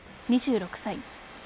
２６歳。